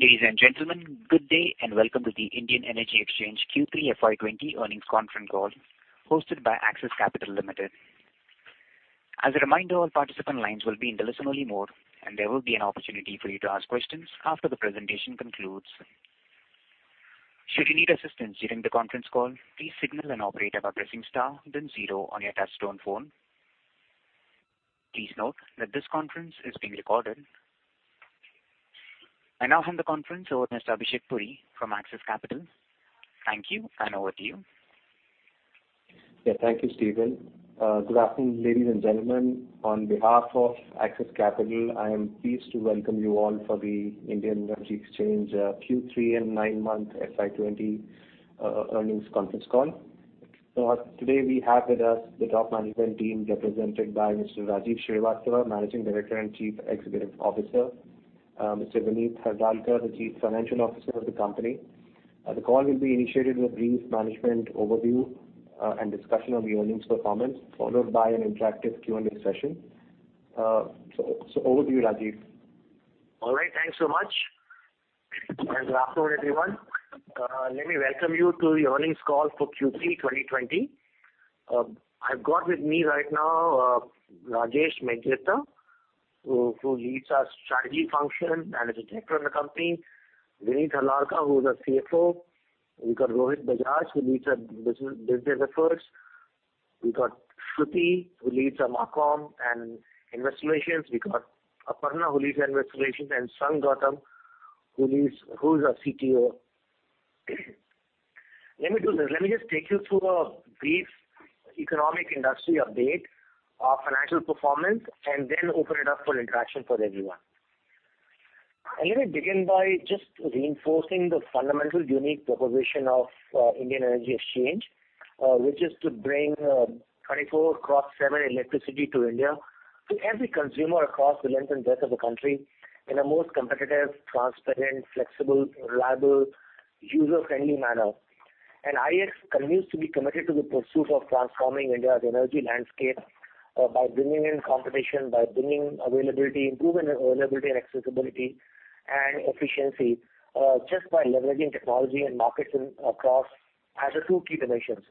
Ladies and gentlemen, good day and welcome to the Indian Energy Exchange Q3 FY 2020 earnings conference call hosted by Axis Capital Limited. As a reminder, all participant lines will be in listen-only mode, and there will be an opportunity for you to ask questions after the presentation concludes. Should you need assistance during the conference call, please signal an operator by pressing star then zero on your touch-tone phone. Please note that this conference is being recorded. I now hand the conference over to Abhishek Puri from Axis Capital. Thank you, and over to you. Yeah. Thank you, Steven. Good afternoon, ladies and gentlemen. On behalf of Axis Capital, I am pleased to welcome you all for the Indian Energy Exchange Q3 and nine-month FY 2020 earnings conference call. Today we have with us the top management team represented by Mr. Rajiv Srivastava, Managing Director and Chief Executive Officer, Mr. Vineet Harlalka, the Chief Financial Officer of the company. The call will be initiated with a brief management overview and discussion of the earnings performance, followed by an interactive Q&A session. Over to you, Rajiv. All right. Thanks so much. Good afternoon, everyone. Let me welcome you to the earnings call for Q3 2020. I've got with me right now, Rajesh Mediratta, who leads our strategy function and is a Director in the company. Vineet Harlalka, who is our CFO. We got Rohit Bajaj, who leads our business efforts. We got Shruti, who leads our marcom and Investor Relations. We got Aparna, who leads our Investor Relations, and Sanjottam, who's our CTO. Let me do this. Let me just take you through a brief economic industry update, our financial performance, and then open it up for interaction for everyone. Let me begin by just reinforcing the fundamental unique proposition of Indian Energy Exchange, which is to bring 24x7 electricity to India to every consumer across the length and breadth of the country in a most competitive, transparent, flexible, reliable, user-friendly manner. IEX continues to be committed to the pursuit of transforming India's energy landscape by bringing in competition, by bringing availability, improving availability and accessibility and efficiency, just by leveraging technology and markets across as the two key dimensions.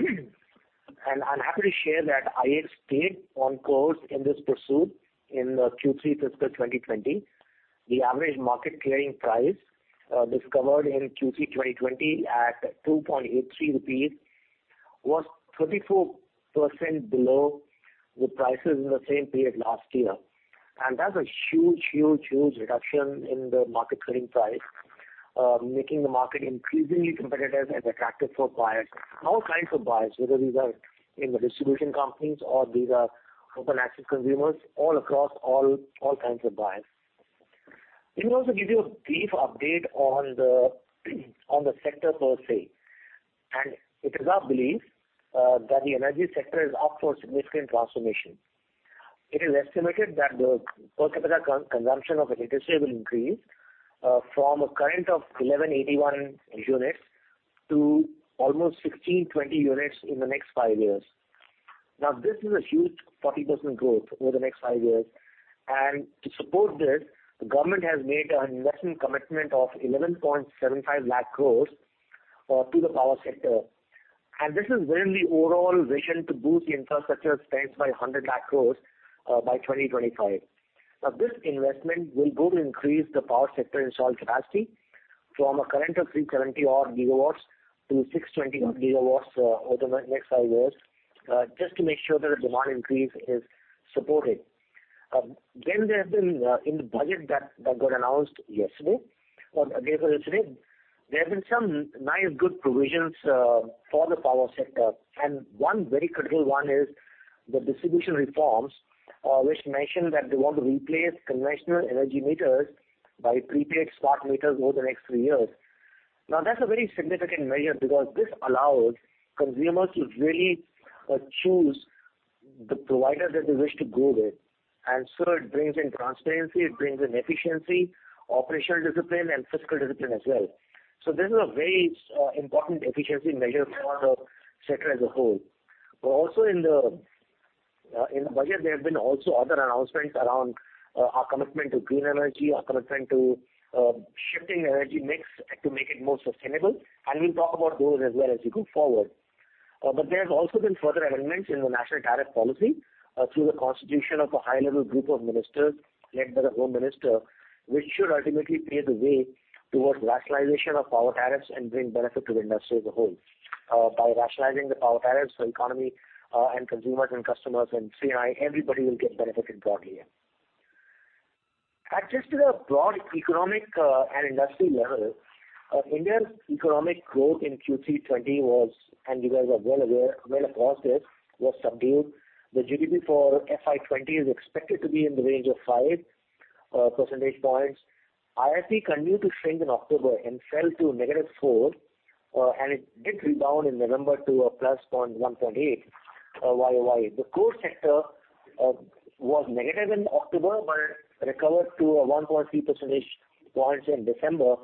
I'm happy to share that IEX stayed on course in this pursuit in Q3 fiscal 2020. The average market clearing price, discovered in Q3 2020 at 2.83 rupees, was 34% below the prices in the same period last year. That's a huge reduction in the market clearing price, making the market increasingly competitive and attractive for buyers, all kinds of buyers, whether these are distribution companies or these are open access consumers all across all kinds of buyers. Let me also give you a brief update on the sector per se. It is our belief that the energy sector is up for significant transformation. It is estimated that the per capita consumption of electricity will increase from a current of 1,181 units to almost 1,620 units in the next five years. This is a huge 40% growth over the next five years. To support this, the government has made an investment commitment of 11.75 lakh crores to the power sector, and this is within the overall vision to boost the infrastructure spends by 100 lakh crores by 2025. This investment will go to increase the power sector installed capacity from a current of 370 odd GW-620 odd GW over the next five years, just to make sure that the demand increase is supported. There have been in the budget that got announced yesterday or day before yesterday, some nice good provisions for the power sector. One very critical one is the distribution reforms, which mention that they want to replace conventional energy meters by prepaid smart meters over the next three years. That's a very significant measure because this allows consumers to really choose the provider that they wish to go with. It brings in transparency, it brings in efficiency, operational discipline, and fiscal discipline as well. This is a very important efficiency measure for the sector as a whole. Also in the budget, there have been also other announcements around our commitment to green energy, our commitment to shifting energy mix to make it more sustainable, and we'll talk about those as well as we go forward. There's also been further alignments in the National Tariff Policy through the constitution of a high-level group of ministers led by the Home Minister, which should ultimately pave the way towards rationalization of power tariffs and bring benefit to the industry as a whole. By rationalizing the power tariffs, the economy and consumers and customers and C&I, everybody will get benefit in broadly here. At a broad economic and industry level, India's economic growth in Q3 2020 was subdued. The GDP for FY 2020 is expected to be in the range of five percentage points. IIP continued to shrink in October and fell to negative four. It did rebound in November to a +1.8 Y-o-Y. The core sector was negative in October, but recovered to a 1.3 percentage points in December,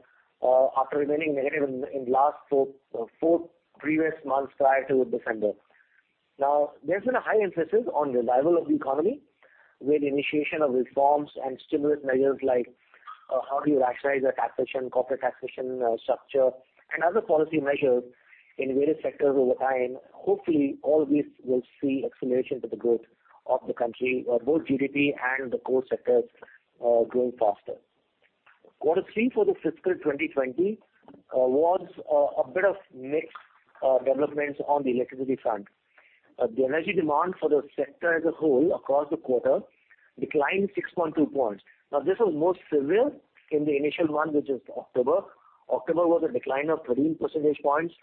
after remaining negative in last four previous months prior to December. There's been a high emphasis on revival of the economy with initiation of reforms and stimulus measures like how do you rationalize the taxation, corporate taxation structure, and other policy measures in various sectors over time. Hopefully, all this will see acceleration to the growth of the country, both GDP and the core sectors growing faster. Q3 for the fiscal 2020 was a bit of mixed developments on the electricity front. The energy demand for the sector as a whole across the quarter declined 6.2 points. This was most severe in the initial one, which is October. October was a decline of 13 percentage points,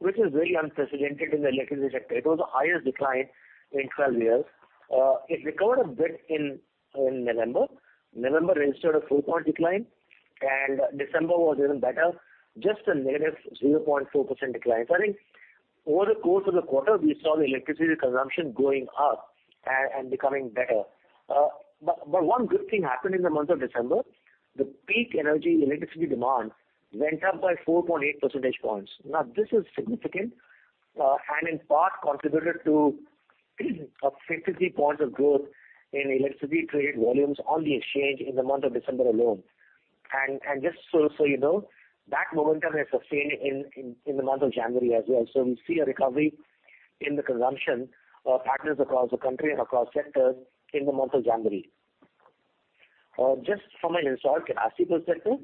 which is very unprecedented in the electricity sector. It was the highest decline in 12 years. It recovered a bit in November. November registered a 4-point decline. December was even better, just a -0.4% decline. I think over the course of the quarter, we saw the electricity consumption going up and becoming better. One good thing happened in the month of December, the peak energy electricity demand went up by 4.8 percentage points. This is significant, in part contributed to a 50 points of growth in electricity trade volumes on the exchange in the month of December alone. Just so you know, that momentum has sustained in the month of January as well. We see a recovery in the consumption patterns across the country and across sectors in the month of January. Just from an installed capacity perspective,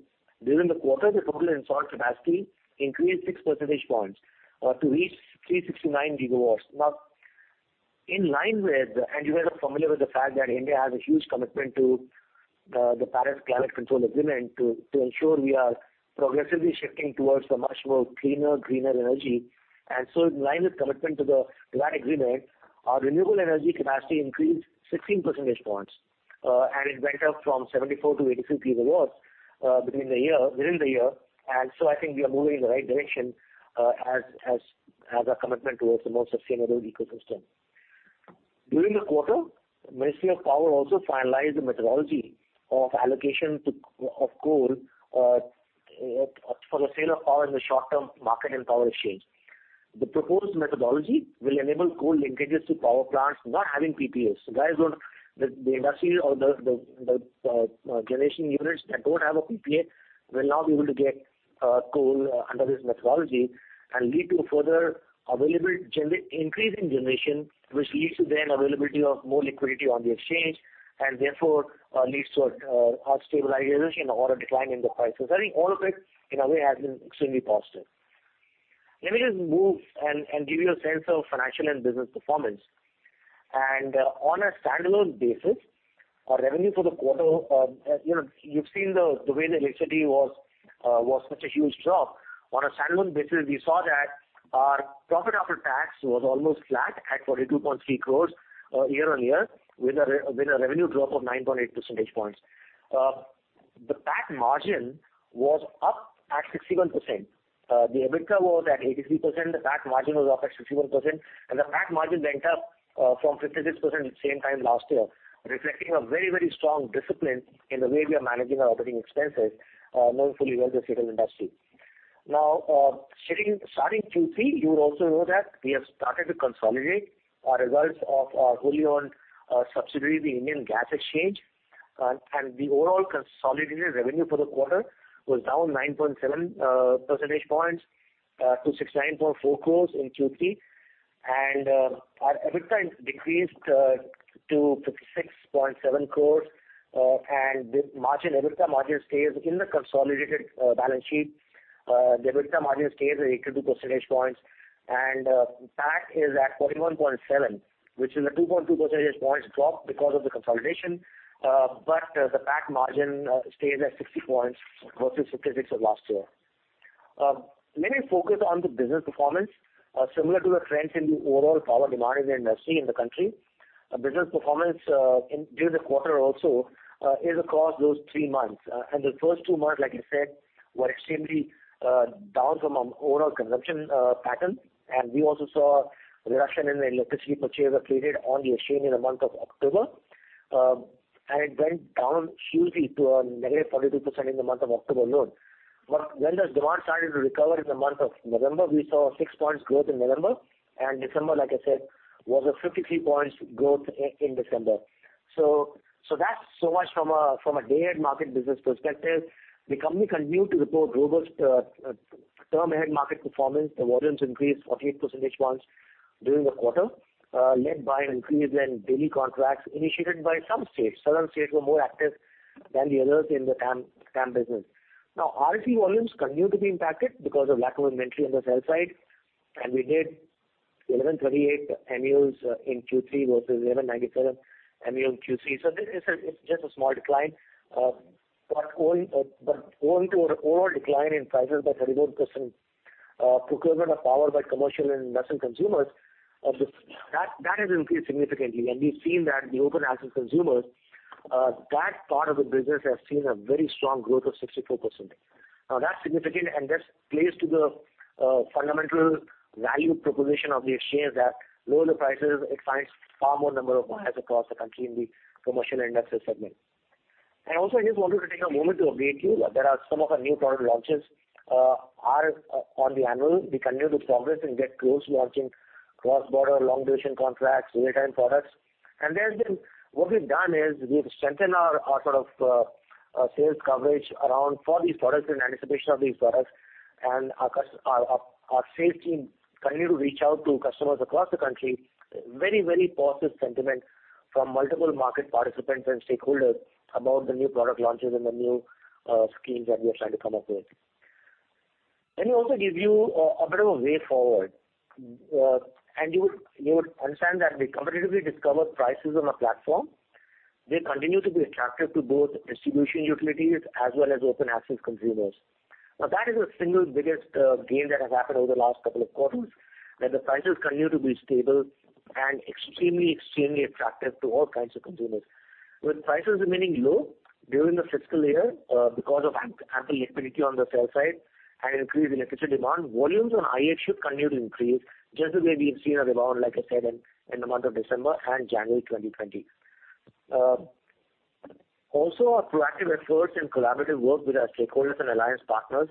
during the quarter, the total installed capacity increased 6 percentage points, to reach 369 GW. In line with, and you guys are familiar with the fact that India has a huge commitment to the Paris Climate Control Agreement to ensure we are progressively shifting towards a much more cleaner, greener energy. In line with commitment to that Agreement, our renewable energy capacity increased 16 percentage points, and it went up from 74-83 GW within the year. I think we are moving in the right direction as a commitment towards a more sustainable ecosystem. During the quarter, Ministry of Power also finalized the methodology of allocation of coal for the sale of power in the short-term market and power exchange. The proposed methodology will enable coal linkages to power plants not having PPAs. Guys, the industry or the generation units that don't have a PPA will now be able to get coal under this methodology and lead to further available increase in generation, which leads to then availability of more liquidity on the exchange, therefore, leads to a stabilization or a decline in the prices. I think all of it, in a way, has been extremely positive. Let me just move and give you a sense of financial and business performance. On a standalone basis, our revenue for the quarter, you've seen the way the electricity was such a huge drop. On a standalone basis, we saw that our profit after tax was almost flat at 42.3 crore year-on-year with a revenue drop of 9.8 percentage points. The PAT margin was up at 61%. The EBITDA was at 83%, the PAT margin was up at 61%. The PAT margin went up from 56% same time last year, reflecting a very strong discipline in the way we are managing our operating expenses, knowing fully well the C&I industry. Now, starting Q3, you would also know that we have started to consolidate our results of our wholly owned subsidiary, the Indian Gas Exchange. The overall consolidated revenue for the quarter was down 9.7 percentage points to 69.4 crores in Q3. Our EBITDA decreased to 56.7 crores. The margin, EBITDA margin stays in the consolidated balance sheet. The EBITDA margin stays at 82 percentage points, and PAT is at 41.7 crores, which is a 2.2 percentage points drop because of the consolidation. The PAT margin stays at 60 points versus 56 of last year. Let me focus on the business performance. Similar to the trends in the overall power demand in the industry in the country, business performance during the quarter also is across those three months. The first two months, like I said, were extremely down from an overall consumption pattern. We also saw a reduction in electricity purchases created on the exchange in the month of October. It went down hugely to a -42% in the month of October alone. When the demand started to recover in the month of November, we saw a 6 points growth in November, and December, like I said, was a 53 points growth in December. That's so much from a Day-Ahead Market business perspective. The company continued to report robust Term-Ahead Market performance. The volumes increased 48 percentage points during the quarter, led by an increase in daily contracts initiated by some states. Southern states were more active than the others in the TAM business. REC volumes continue to be impacted because of lack of inventory on the sell side. We did 1,138 MUs in Q3 versus 1,197 MU in Q3. It's just a small decline. Owing to an overall decline in prices by 31%, procurement of power by commercial and industrial consumers, that has increased significantly. We've seen that the open access consumers, that part of the business has seen a very strong growth of 64%. That's significant, and this plays to the fundamental value proposition of the exchange that lower the prices, it finds far more number of buyers across the country in the commercial and industrial segment. Also, I just wanted to take a moment to update you that some of our new product launches are on the anvil. We continue to progress and get close to launching cross-border long-duration contracts, real-time products. There again, what we've done is we've strengthened our sales coverage around for these products in anticipation of these products, and our sales team continue to reach out to customers across the country. Very positive sentiment from multiple market participants and stakeholders about the new product launches and the new schemes that we are trying to come up with. Let me also give you a bit of a way forward. You would understand that the competitively discovered prices on our platform, they continue to be attractive to both distribution utilities as well as open-access consumers. Now, that is the single biggest gain that has happened over the last couple of quarters, that the prices continue to be stable and extremely attractive to all kinds of consumers. With prices remaining low during the fiscal year because of ample liquidity on the sell side and increase in electricity demand, volumes on IEX should continue to increase just the way we've seen a rebound, like I said, in the month of December and January 2020. Also, our proactive efforts and collaborative work with our stakeholders and alliance partners,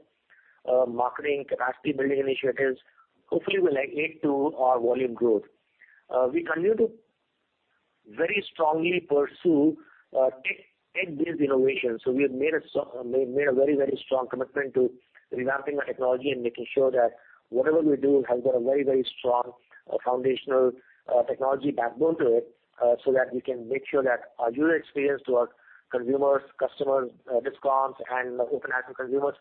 marketing capacity building initiatives, hopefully will aid to our volume growth. We continue to very strongly pursue tech-based innovation. We have made a very strong commitment to revamping our technology and making sure that whatever we do has got a very strong foundational technology backbone to it, so that we can make sure that our user experience to our consumers, customers, DISCOMs, and open-access consumers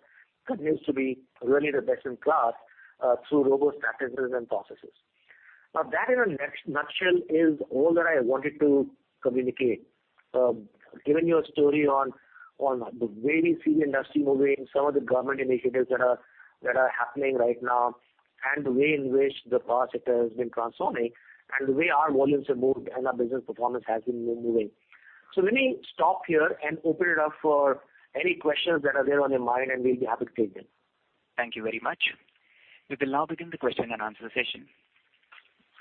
continues to be really the best in class through robust strategies and processes. Now, that in a nutshell is all that I wanted to communicate. Given you a story on the way we see the industry moving, some of the government initiatives that are happening right now, and the way in which the power sector has been transforming, and the way our volumes have moved and our business performance has been moving. Let me stop here and open it up for any questions that are there on your mind, and we'll be happy to take them. Thank you very much. We will now begin the question-and-answer session.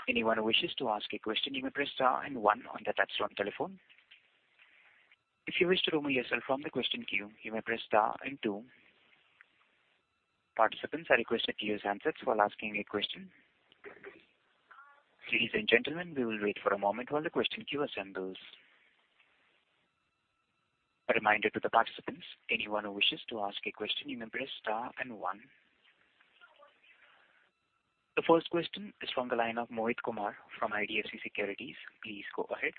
Anyone who wishes to ask a question, you may press star and one on the touch-tone telephone. If you wish to remove yourself from the question queue, you may press star and two. Participants are requested to use handsets while asking a question. Ladies and gentlemen, we will wait for a moment while the question queue assembles. A reminder to the participants, anyone who wishes to ask a question, you may press star and one. The first question is from the line of Mohit Kumar from IDFC Securities. Please go ahead.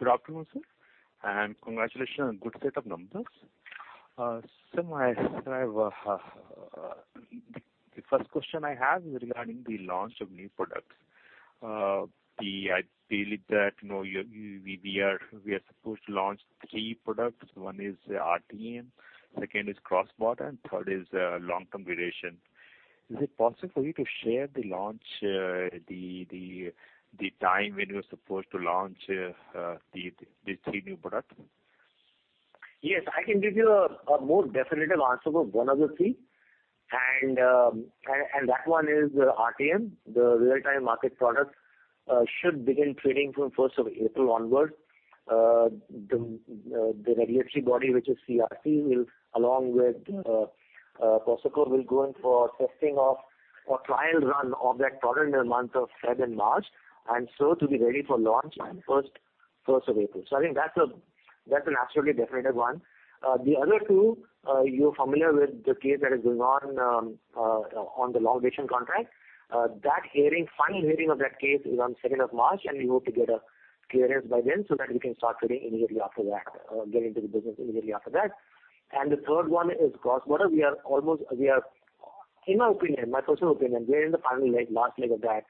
Good afternoon, sir, and congratulations on good set of numbers. The first question I have is regarding the launch of new products. We are supposed to launch three products. One is RTM, second is cross-border, and third is long-term duration. Is it possible for you to share the time when you are supposed to launch these three new products? Yes, I can give you a more definitive answer for one of the three, and that one is RTM. The Real-Time Market product should begin trading from April 1st onwards. The regulatory body, which is CERC, along with POSOCO will go in for testing of or trial run of that product in the month of February and March, and so to be ready for launch on April 1st. I think that's an absolutely definitive one. The other two, you're familiar with the case that is going on the long-duration contract. Final hearing of that case is on March 2nd, and we hope to get a clearance by then so that we can start trading immediately after that or get into the business immediately after that. The third one is cross-border. In my personal opinion, we are in the final leg, last leg of that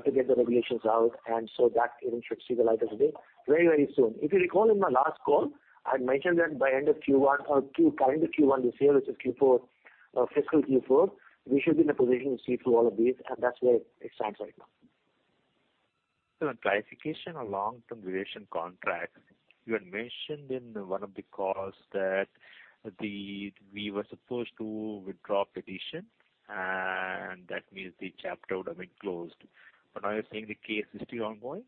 to get the regulations out, and so that even should see the light of the day very soon. If you recall in my last call, I had mentioned that by end of Q1 or current Q1 this year, which is fiscal Q4, we should be in a position to see through all of these, and that's where it stands right now. Sir, on clarification on long-term duration contract, you had mentioned in one of the calls that we were supposed to withdraw petition, and that means the chapter would have been closed. Now you're saying the case is still ongoing?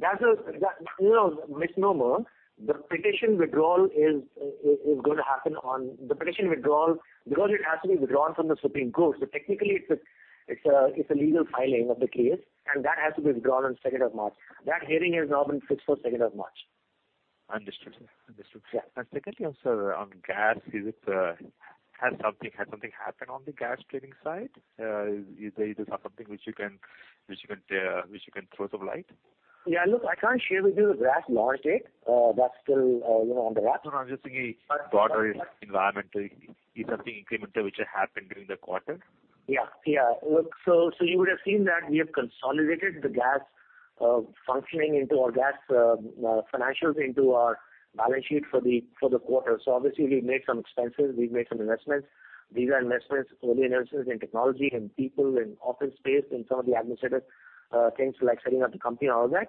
That is a misnomer. The petition withdrawal, because it has to be withdrawn from the Supreme Court. Technically it's a legal filing of the case, and that has to be withdrawn on March 2nd. That hearing has now been fixed for March 2nd. Understood, sir. Secondly, on gas, has something happened on the gas trading side? Is there something which you can throw some light? Yeah. Look, I can't share with you the gas launch date. That's still on the rocks. No, I'm just saying a broader environmental, is there something incremental which happened during the quarter? Yeah. Look, you would have seen that we have consolidated the gas functioning into our gas financials into our balance sheet for the quarter. Obviously we've made some expenses, we've made some investments. These are investments, early investments in technology, in people, in office space, in some of the administrative things like setting up the company and all that.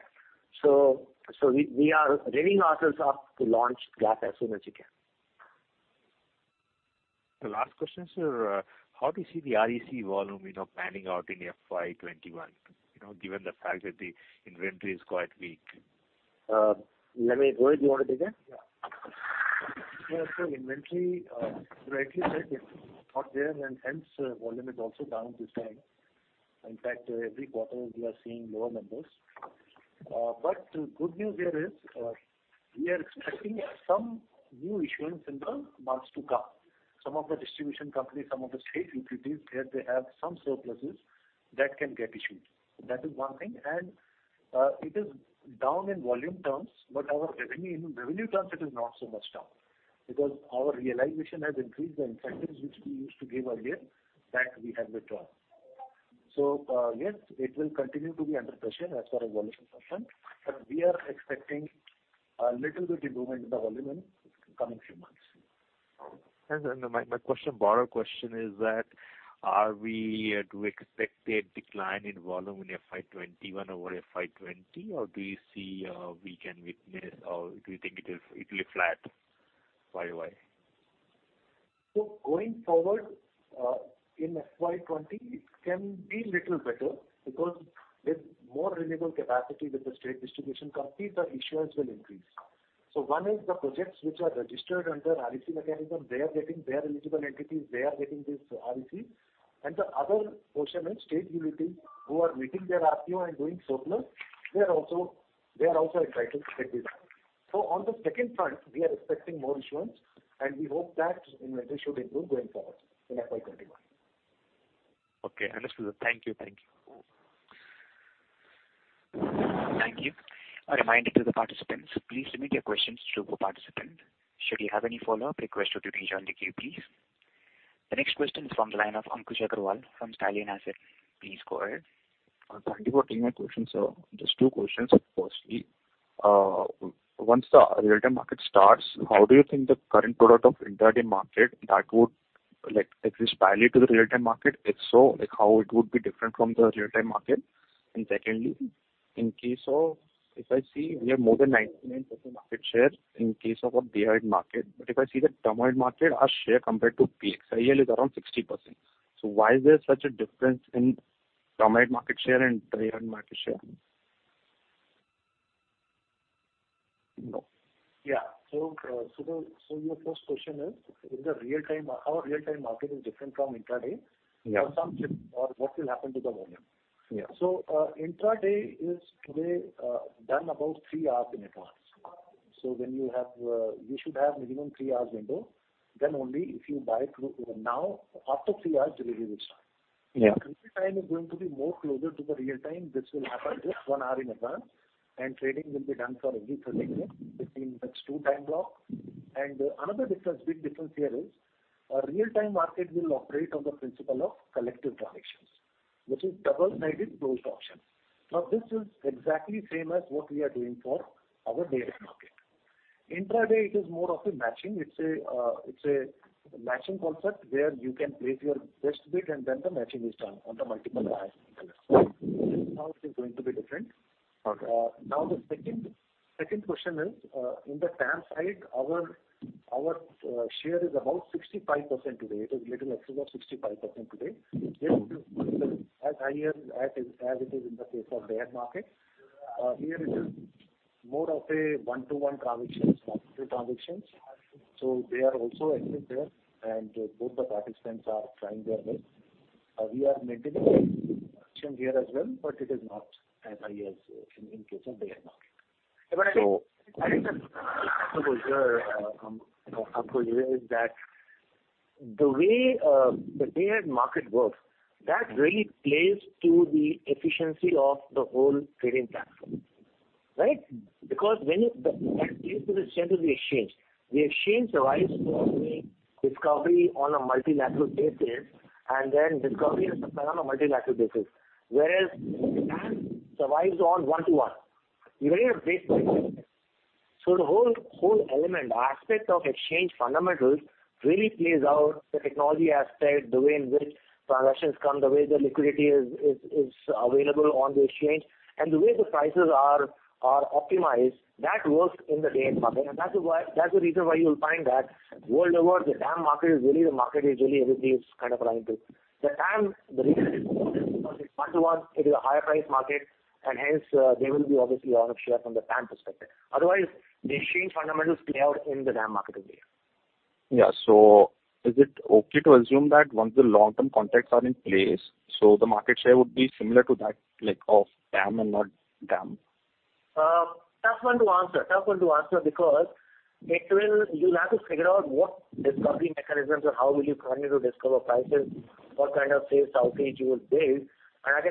We are revving ourselves up to launch gas as soon as we can. The last question, sir. How do you see the REC volume panning out in FY 2021, given the fact that the inventory is quite weak? Rohit, do you want to take that? Yeah. Inventory, rightly said, it's not there, and hence volume is also down this time. In fact, every quarter we are seeing lower numbers. Good news here is, we are expecting some new issuance in the months to come. Some of the distribution companies, some of the state utilities, there they have some surpluses that can get issued. That is one thing. It is down in volume terms, but in revenue terms, it is not so much down because our realization has increased. The incentives which we used to give earlier, that we have withdrawn. Yes, it will continue to be under pressure as far as volume is concerned, but we are expecting a little bit improvement in the volume in coming few months. My broader question is that, do we expect a decline in volume in FY 2021 over FY 2020, or do you think it will be flat Y-o-Y? Going forward, in FY 2020, it can be little better because with more renewable capacity with the state distribution companies, the issuance will increase. One is the projects which are registered under REC mechanism, where eligible entities, they are getting these RECs, and the other portion is state utility who are meeting their RPO and doing surplus, they are also entitled to get this. On the second front, we are expecting more issuance, and we hope that inventory should improve going forward in FY 2021. Okay, understood. Thank you. Thank you. A reminder to the participants, please submit your questions through participant. Should you have any follow-up, request to rejoin the queue, please. The next question is from the line of Ankush Agarwal from Stallion Asset. Please go ahead. Thank you for taking my question, sir. Just two questions. Firstly, once the Real-Time Market starts, how do you think the current product of intraday market that would exist parallel to the Real-Time Market? If so, how it would be different from the Real-Time Market? Secondly, in case of, if I see we have more than 99% market share in case of a Day-Ahead Market. If I see the term market, our share compared to PXIL, I hear is around 60%. Why is there such a difference in term market share and Day-Ahead Market share? Your first question is, how Real-Time Market is different from intraday? Yeah. What will happen to the volume? Yeah. Intraday is today done about three hours in advance. You should have minimum three hours window, then only if you buy it now, after three hours delivery will start. Yeah. Real-Time Market is going to be more closer to the Real-Time Market. This will happen just one hour in advance, trading will be done for every 30 minutes between those two time blocks. Another big difference here is, Real-Time Market will operate on the principle of collective transactions, which is double-sided closed auction. Now, this is exactly same as what we are doing for our Day-Ahead Market. Intraday, it is more of a matching. It's a matching concept where you can place your best bid and then the matching is done on the multiple bids. This is how it is going to be different. Okay. The second question is, in the TAM side, our share is about 65% today. It is little excess of 65% today. This is as high as it is in the case of Day-Ahead Market. Here it is more of a one-to-one transactions, bilateral transactions. They are also active there and both the participants are trying their best. We are maintaining here as well, it is not as high as in case of Day-Ahead Market. I think, Ankush, here is that the way the day-ahead market works, that really plays to the efficiency of the whole trading platform, right? Because that plays to the center of the exchange. The exchange survives through discovery on a multilateral basis and then discovery and settlement on a multilateral basis, whereas TAM survives on one-to-one. Even in a base Sir.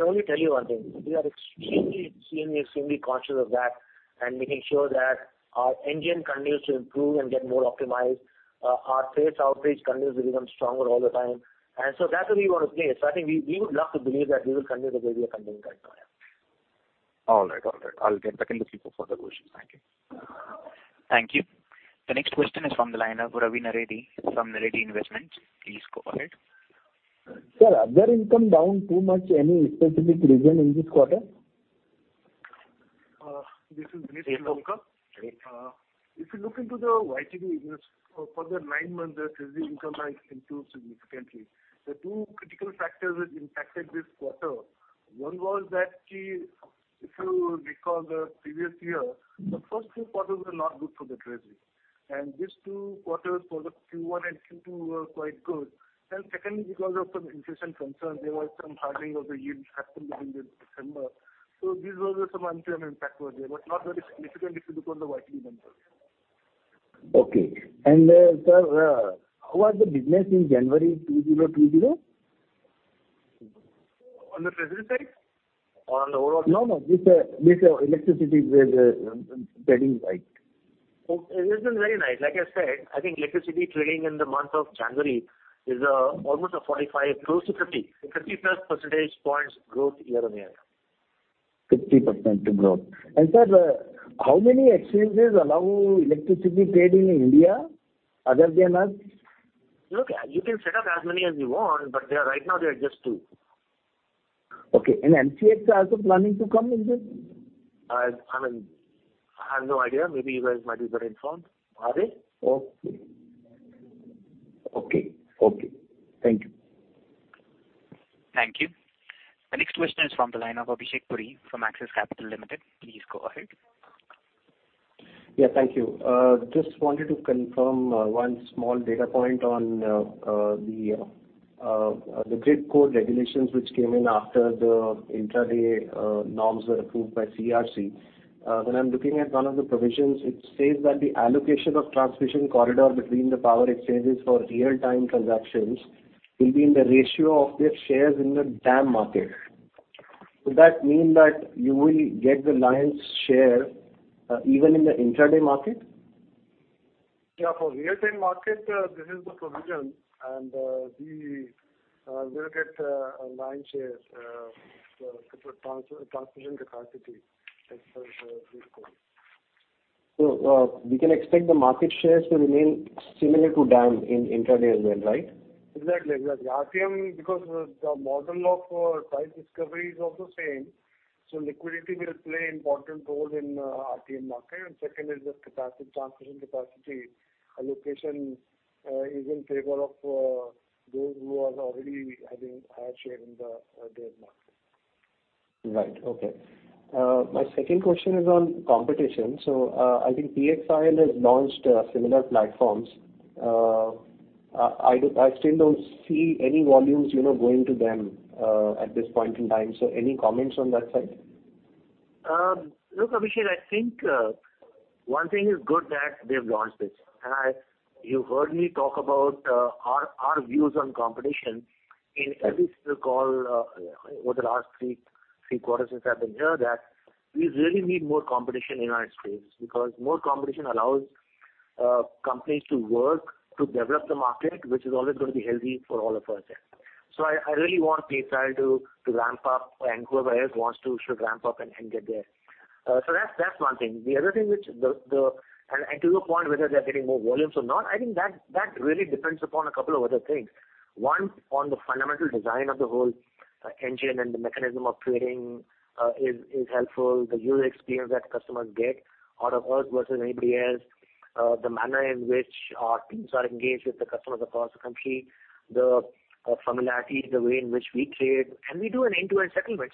Thank you. The next question is from the line of Ravi Narreddy from Narreddy Investments. Please go ahead. This is Vineet Harlalka. Great. If you look into the YTD business for the nine months, the treasury income has improved significantly. The two critical factors which impacted this quarter, one was that, if you recall the previous year, the first two quarters were not good for the treasury. These two quarters for the Q1 and Q2 were quite good. Secondly, because of some inflation concerns, there was some hardening of the yield happened during December. These were some uncertain impact were there, but not very significant if you look on the YTD numbers. Okay. Sir, how was the business in January 2020? On the treasury side or on the overall side? No, just electricity trading side. It has been very nice. Like I said, I think electricity trading in the month of January is almost a 45, close to 50 plus percentage points growth year-on-year. 50% growth. Sir, how many exchanges allow electricity trade in India other than us? Look, you can set up as many as you want, but right now there are just two. Okay. MCX also planning to come in this? I have no idea. Maybe you guys might be better informed. Are they? Okay. Thank you. Thank you. The next question is from the line of Abhishek Puri from Axis Capital. Please go ahead. Yeah, thank you. Just wanted to confirm one small data point on the grid code regulations which came in after the intraday norms were approved by CERC. When I'm looking at one of the provisions, it says that the allocation of transmission corridor between the power exchanges for real time consumptions will be in the ratio of their shares in the DAM market. Would that mean that you will get the lion's share, even in the intraday market? Yeah, for Real-Time Market, this is the provision, and we will get lion's share of the transmission capacity as per the grid code. We can expect the market shares to remain similar to DAM in intraday as well, right? The model of price discovery is also same, so liquidity will play important role in RTM market. Second is the transmission capacity allocation is in favor of those who are already having a share in the DAM market. Right. Okay. My second question is on competition. I think PXIL has launched similar platforms. I still don't see any volumes going to them at this point in time. Any comments on that side? Look, Abhishek, I think one thing is good that they've launched it. You've heard me talk about our views on competition in, as you still recall, over the last three quarters since I've been here, that we really need more competition in our space. Because more competition allows companies to work to develop the market, which is always going to be healthy for all of us here. I really want PXIL to ramp up and whoever else wants to should ramp up and get there. That's one thing. The other thing, and to your point, whether they're getting more volumes or not, I think that really depends upon a couple of other things. One, on the fundamental design of the whole engine and the mechanism of trading is helpful. The user experience that customers get out of us versus anybody else, the manner in which our teams are engaged with the customers across the country, the familiarity, the way in which we trade, and we do an end-to-end settlement.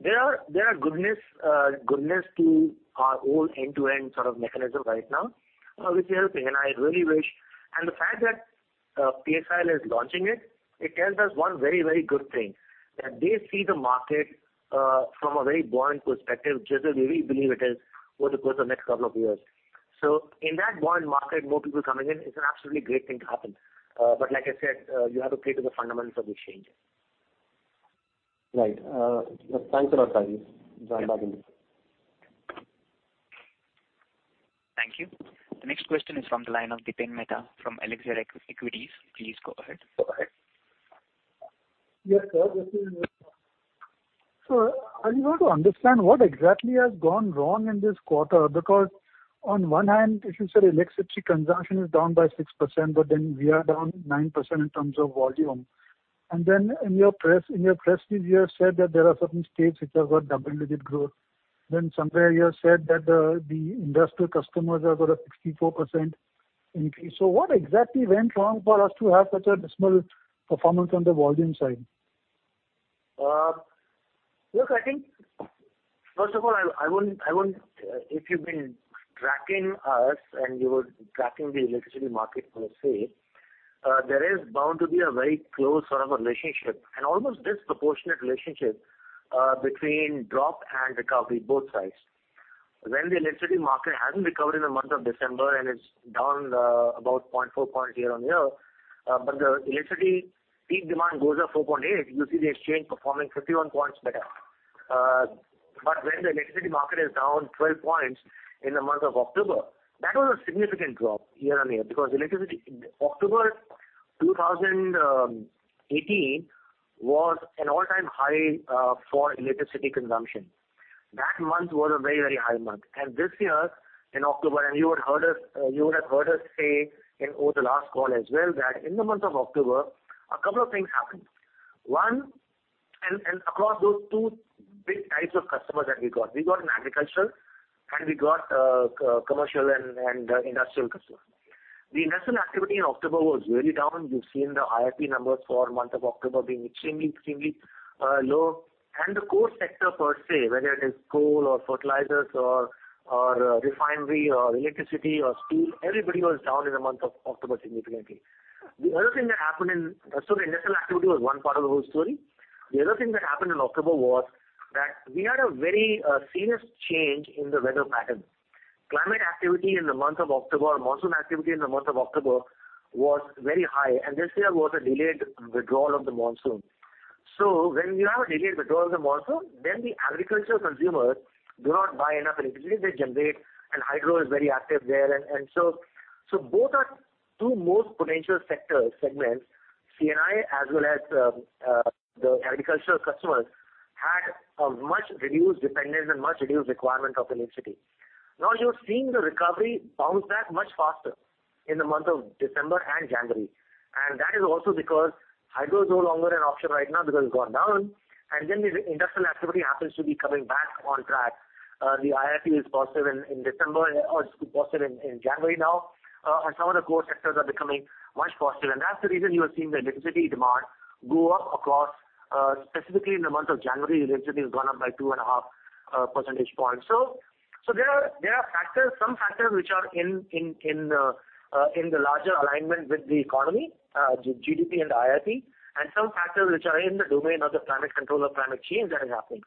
There are goodness to our whole end-to-end sort of mechanism right now, which is helping. I really wish, and the fact that PXIL is launching it tells us one very good thing, that they see the market from a very buoyant perspective, just as we believe it is over the course of next couple of years. In that buoyant market, more people coming in is an absolutely great thing to happen. Like I said, you have to play to the fundamentals of the exchanges. Right. Thanks a lot, Rajiv. Yeah. Join back in. Thank you. The next question is from the line of Dipan Mehta from Elixir Equities. Please go ahead. Go ahead. Yes, sir. This is Dipan Mehta. Sir, I want to understand what exactly has gone wrong in this quarter, because on one hand, if you said electricity consumption is down by 6%, but then we are down 9% in terms of volume. In your press release, you have said that there are certain states which have got double-digit growth. Somewhere you have said that the industrial customers have got a 64% increase. What exactly went wrong for us to have such a dismal performance on the volume side? Look, I think, first of all, if you've been tracking us and you were tracking the electricity market per se, there is bound to be a very close sort of a relationship and almost disproportionate relationship between drop and recovery, both sides. When the electricity market hasn't recovered in the month of December and it's down about 0.4 points year-on-year. The electricity peak demand goes up 4.8, you see the exchange performing 53 points better. When the electricity market is down 12 points in the month of October, that was a significant drop year-on-year. October 2018 was an all-time high for electricity consumption. That month was a very high month. This year in October, and you would have heard us say over the last call as well that in the month of October, a couple of things happened. Across those two big types of customers that we got. We got an agricultural, and we got commercial and industrial customers. The industrial activity in October was really down. You've seen the IIP numbers for the month of October being extremely low. The core sector per se, whether it is coal or fertilizers or refinery or electricity or steel, everybody was down in the month of October significantly. The industrial activity was one part of the whole story. The other thing that happened in October was that we had a very serious change in the weather pattern. Climate activity in the month of October, monsoon activity in the month of October was very high, and this year was a delayed withdrawal of the monsoon. When you have a delayed withdrawal of the monsoon, then the agricultural consumers do not buy enough electricity they generate, and hydro is very active there. Both our two most potential segments, C&I as well as the agricultural customers, had a much-reduced dependence and much-reduced requirement of electricity. Now you're seeing the recovery bounce back much faster in the month of December and January. That is also because hydro is no longer an option right now because it's gone down. The industrial activity happens to be coming back on track. The IIP is positive in December, or it's positive in January now. Some of the core sectors are becoming much positive. That's the reason you are seeing the electricity demand go up across, specifically in the month of January, electricity has gone up by 2.5 Percentage points. There are some factors which are in the larger alignment with the economy, the GDP and the IIP, and some factors which are in the domain of the climate control or climate change that has happened.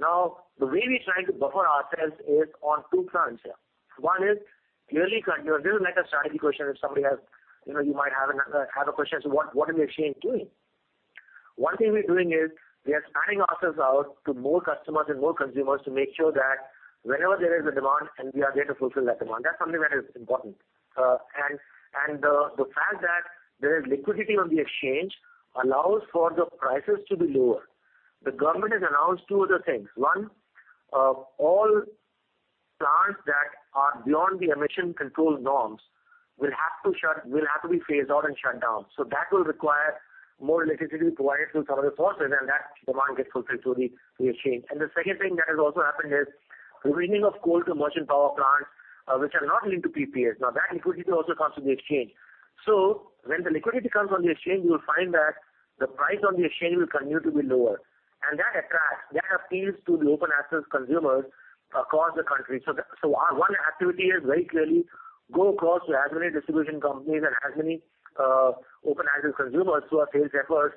The way we're trying to buffer ourselves is on two fronts here. One is clearly this is like a strategy question. You might have a question as to what is the exchange doing. One thing we're doing is we are spanning ourselves out to more customers and more consumers to make sure that whenever there is a demand, we are there to fulfill that demand. That's something that is important. The fact that there is liquidity on the exchange allows for the prices to be lower. The government has announced two other things. One, all plants that are beyond the emission control norms will have to be phased out and shut down. That will require more electricity provided through some other sources, and that demand gets fulfilled through the exchange. The second thing that has also happened is the bringing of coal to merchant power plants, which are not linked to PPAs. That liquidity also comes to the exchange. When the liquidity comes on the exchange, you will find that the price on the exchange will continue to be lower. That attracts, that appeals to the open access consumers across the country. One activity is very clearly go across to as many distribution companies and as many open access consumers through our sales efforts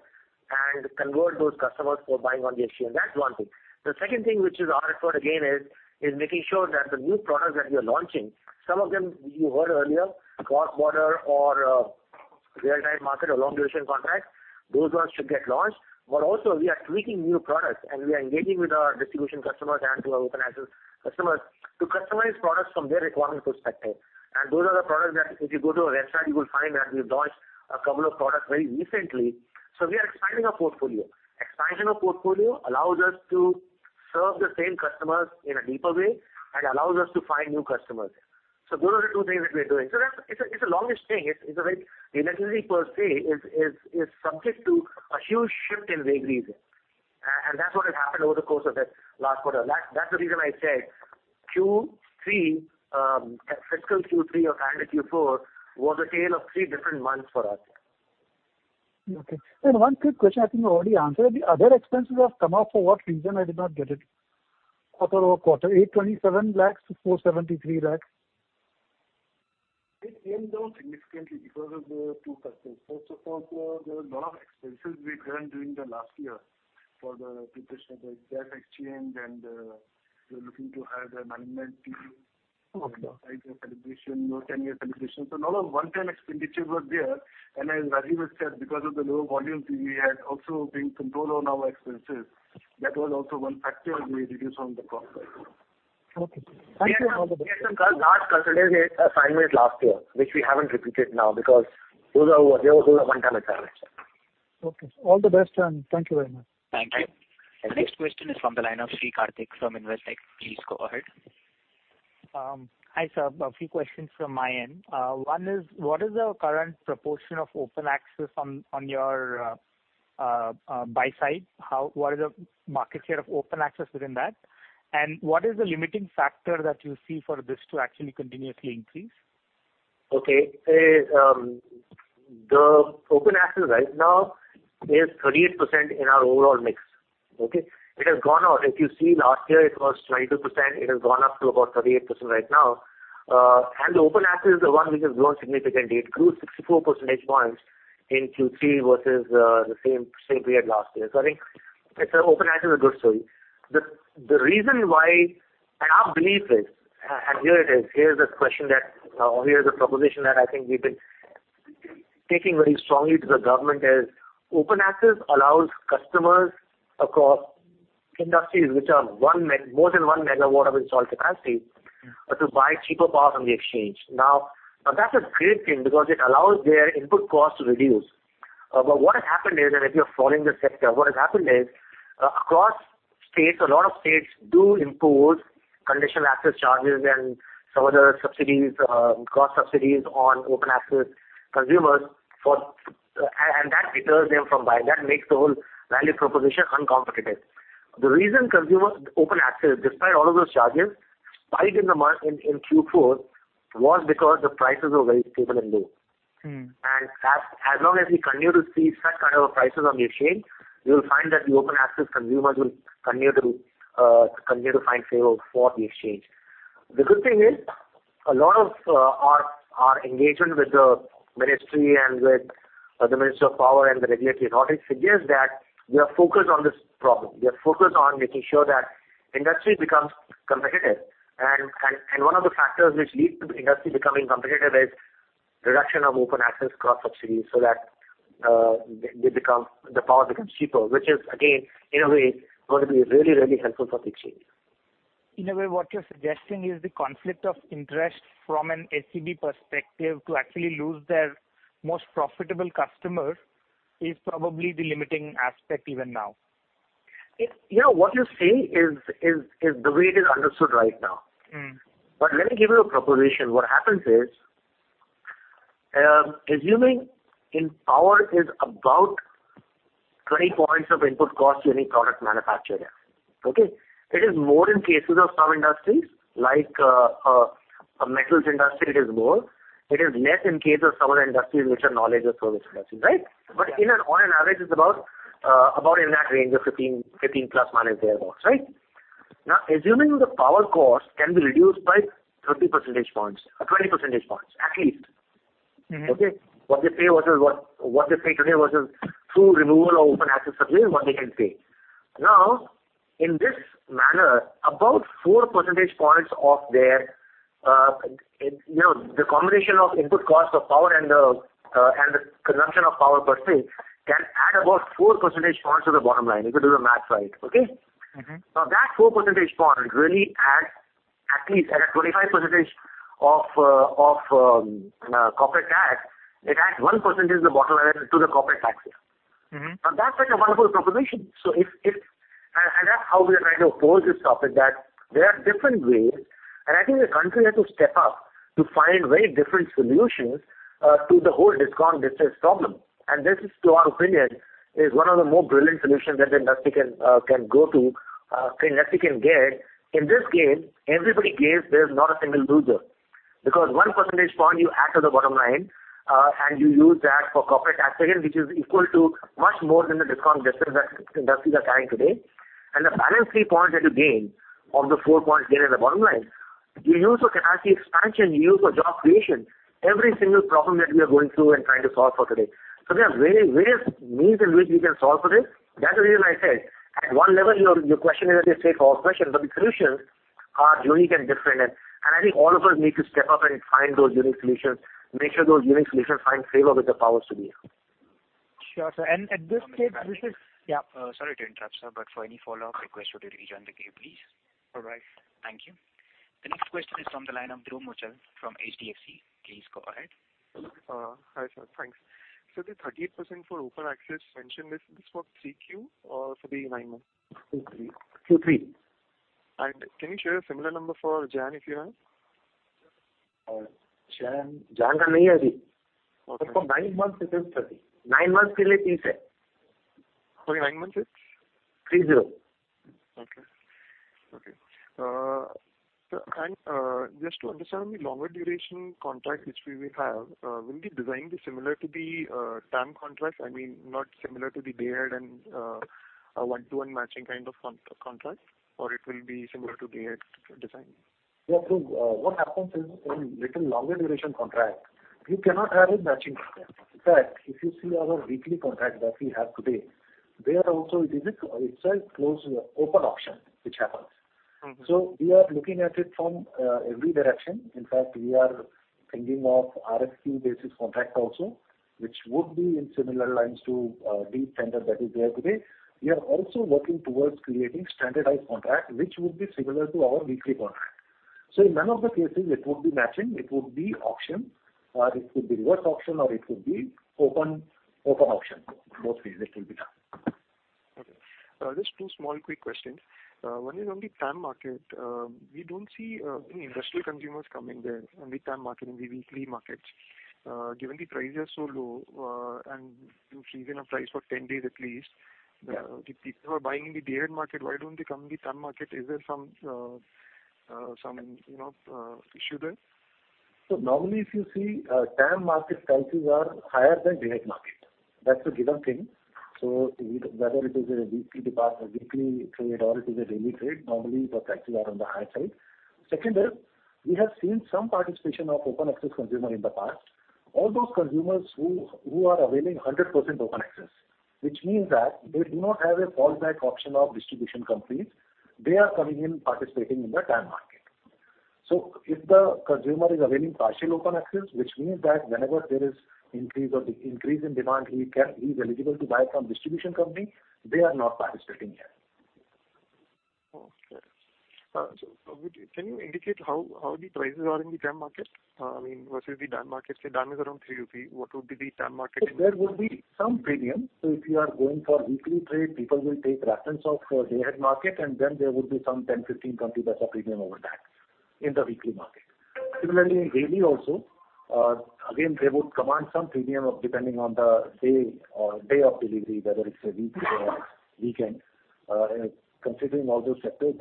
and convert those customers for buying on the exchange. That's one thing. The second thing which is our effort again is making sure that the new products that we are launching, some of them you heard earlier, cross-border or real-time market or long-duration contracts, those ones should get launched. Also we are tweaking new products and we are engaging with our distribution customers and to our open access customers to customize products from their requirement perspective. Those are the products that if you go to our website, you will find that we've launched a couple of products very recently. We are expanding our portfolio. Expansion of portfolio allows us to serve the same customers in a deeper way and allows us to find new customers. Those are the two things that we are doing. It's a longish thing. Electricity per se is subject to a huge shift in vagaries. That's what has happened over the course of this last quarter. That's the reason I said fiscal Q3 or calendar Q4 was a tale of three different months for us. Okay. One quick question, I think you already answered. The other expenses have come up for what reason? I did not get it. After a quarter, 827 lakhs to 473 lakhs. It came down significantly because of the two factors. First of all, there were a lot of expenses we'd earned during the last year for the purpose of the gas exchange, and we were looking to hire the management team. Okay. The calibration, 10-year calibration. A lot of one-time expenditures were there. As Rajiv has said, because of the low volumes, we had also been control on our expenses. That was also one factor we reduced from the cost side. Okay. Thank you. We had some large consultancies assignments last year, which we haven't repeated now because those are one-time expenditures. Okay. All the best and thank you very much. Thank you. Thank you. The next question is from the line of Sri Karthik Velamakanni from Investec. Please go ahead. Hi, sir. A few questions from my end. One is, what is the current proportion of open access on your buy side? What is the market share of open access within that? What is the limiting factor that you see for this to actually continuously increase? Okay. The open access right now is 38% in our overall mix. Okay. If you see last year, it was 22%, it has gone up to about 38% right now. The open access is the one which has grown significantly. It grew 64 percentage points in Q3 versus the same period last year. I think open access is a good story. Our belief is, here's the proposition that I think we've been taking very strongly to the government is, open access allows customers across industries which are more than 1 MW of installed capacity to buy cheaper power from the exchange. That's a great thing because it allows their input cost to reduce. What has happened is, and if you're following the sector, what has happened is a lot of states do impose conditional access charges and some other cost subsidies on open access consumers, and that deters them from buying. That makes the whole value proposition uncompetitive. The reason open access, despite all of those charges, spiked in Q4 was because the prices were very stable and low. As long as we continue to see such kind of prices on the exchange, you will find that the open access consumers will continue to find favor for the exchange. The good thing is a lot of our engagement with the ministry and with the Ministry of Power and the regulatory authority suggests that we are focused on this problem. We are focused on making sure that the industry becomes competitive. One of the factors which leads to the industry becoming competitive is reduction of open access cross-subsidies so that the power becomes cheaper, which is, again, in a way, going to be really helpful for the exchange. In a way, what you are suggesting is the conflict of interest from an SEB perspective to actually lose their most profitable customer is probably the limiting aspect even now. What you say is the way it is understood right now. Let me give you a proposition. What happens is, assuming in power is about 20 points of input cost to any product manufactured there. Okay? It is more in cases of some industries. Like a metals industry, it is more. It is less in case of some other industries which are knowledge or service industries. Right? On an average, it is about in that range of 15±, thereabouts. Right? Now, assuming the power cost can be reduced by 30 percentage points or 20 percentage points, at least. Okay? What they pay today versus full removal of open access subsidy is what they can pay. In this manner, the combination of input cost of power and the consumption of power per se can add about 4 percentage points to the bottom line if you do the math right. Okay? Now, that four percentage points really adds at least at a 25% of corporate tax, it adds 1% to the bottom line to the corporate tax here. That's such a wonderful proposition, and that's how we are trying to approach this topic, that there are different ways, and I think the country has to step up to find very different solutions to the whole DISCOM deficit problem. This is, to our opinion, is one of the more brilliant solutions that the industry can go to, industry can get. In this game, everybody gains, there's not a single loser. 1 percentage point you add to the bottom line, and you use that for corporate tax again, which is equal to much more than the DISCOM deficit that industries are carrying today. The balance 3 points that you gain of the 4 points gain at the bottom line, you use for capacity expansion, you use for job creation. Every single problem that we are going through and trying to solve for today. There are various means in which we can solve for this. That's the reason I said, at one level, your question is a straightforward question, but the solutions are unique and different. I think all of us need to step up and find those unique solutions, make sure those unique solutions find favor with the power distributors. Sure, sir. Sorry to interrupt, sir. For any follow-up requests, would you re-join the queue, please? All right. Thank you. The next question is from the line of Dhruv Muchhal from HDFC. Please go ahead. Hi, sir. Thanks. The 38% for open access mentioned, is this for 3Q or for the nine months? Q3. Can you share a similar number for January, if you have? January. January For nine months, it is 30. Nine months For nine months, it's? 30. Okay. Just to understand, the longer duration contract which we will have, will the design be similar to the TAM contracts? I mean, not similar to the day-ahead and one-to-one matching kind of contracts, or it will be similar to day-ahead design? Yeah. What happens is, in little longer duration contract, you cannot have a matching contract. In fact, if you see our weekly contract that we have today, there also it is itself close to an open auction, which happens. We are looking at it from every direction. In fact, we are thinking of RFQ basis contract also, which would be in similar lines to bid tender that is there today. We are also working towards creating standardized contract, which would be similar to our weekly contract. In none of the cases, it would be matching, it would be auction, or it could be reverse auction, or it could be open auction. Both ways it will be done. Okay. Just two small quick questions. One is on the TAM market. We don't see any industrial consumers coming there in the TAM market, in the weekly markets. Given the prices are so low, and you freeze in a price for 10 days at least, the people who are buying in the day-ahead market, why don't they come in the TAM market? Is there some issue there? Normally, if you see, TAM market prices are higher than day-ahead market. That's a given thing. Whether it is a weekly trade or it is a daily trade, normally the prices are on the higher side. Secondly, we have seen some participation of open access consumer in the past. All those consumers who are availing 100% open access, which means that they do not have a fallback option of distribution companies, they are coming in participating in the TAM market. If the consumer is availing partial open access, which means that whenever there is increase in demand, he is eligible to buy from distribution company, they are not participating here. Okay. can you indicate how the prices are in the TAM market? I mean, versus the DAM market. Say, DAM is around 3 rupees. What would be the DAM market? There would be some premium. If you are going for weekly trade, people will take reference of day-ahead market and then there would be some 0.10, 0.15, 0.20 premium over that in the weekly market. Similarly, in daily also, again, they would command some premium depending on the day of delivery, whether it's a weekday or weekend. Considering all those sectors,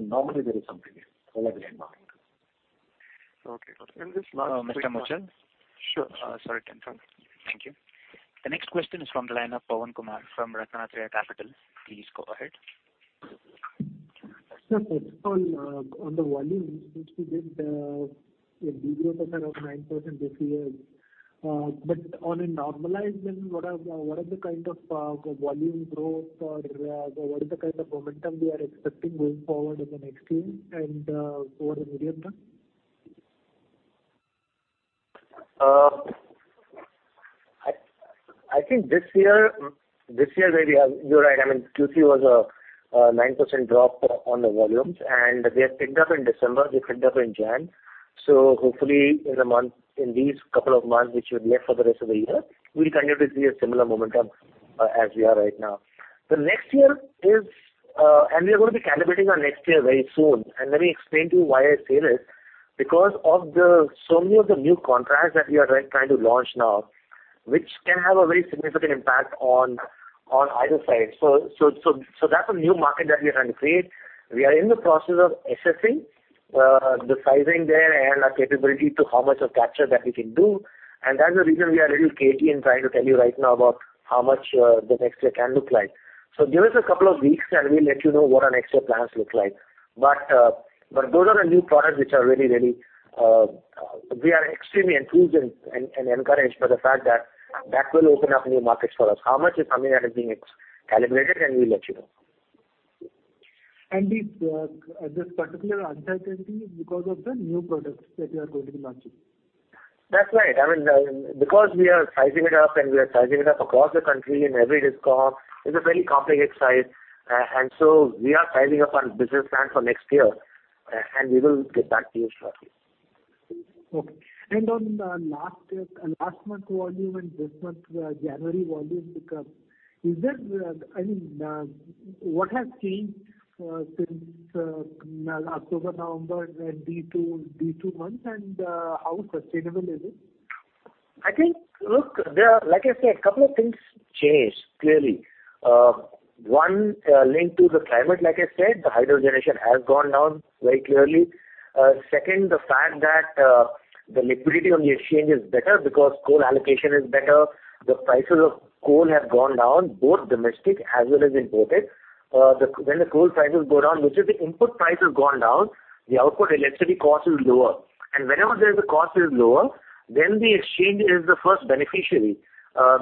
normally there is some premium available in the market. Okay, got it. This last quick one. Mr. Muchhal? Sure. Sorry to interrupt. Thank you. The next question is from the line of Pawan Kumar from RatnaTraya Capital. Please go ahead. Sir, first of all, on the volume, since we did a de-growth of around 9% this year. On a normalized basis, what are the kind of volume growth or what is the kind of momentum we are expecting going forward in the next year and over the medium-term? I think this year you're right. Q3 was a 9% drop on the volumes. They have picked up in December, they picked up in January. Hopefully in these couple of months which are left for the rest of the year, we continue to see a similar momentum as we are right now. We are going to be calibrating our next year very soon. Let me explain to you why I say this. Because of so many of the new contracts that we are trying to launch now, which can have a very significant impact on either side. That's a new market that we are trying to create. We are in the process of assessing the sizing there and our capability to how much of capture that we can do. That's the reason we are a little cagey in trying to tell you right now about how much the next year can look like. Give us a couple of weeks, and we'll let you know what our next year plans look like. Those are the new products which we are extremely enthused and encouraged by the fact that that will open up new markets for us. How much is something that is being calibrated, and we'll let you know. This particular uncertainty is because of the new products that you are going to be launching? That's right. Because we are sizing it up and we are sizing it up across the country in every DISCOM, it's a very complicated size. We are sizing up our business plan for next year. We will get back to you shortly. Okay. On last month volume and this month January volume pick up, what has changed since October, November, these two months, and how sustainable is it? I think, look, like I said, a couple of things changed, clearly. One linked to the climate, like I said, the hydro generation has gone down very clearly. Second, the fact that the liquidity on the exchange is better because coal allocation is better. The prices of coal have gone down, both domestic as well as imported. When the coal prices go down, which is the input price has gone down, the output electricity cost is lower. Whenever the cost is lower, then the exchange is the first beneficiary.